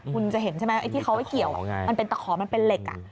คุณจะเห็นใช่ไหมไอ้ที่เขาเกี่ยวมันเป็นตะขอมันเป็นเหล็ก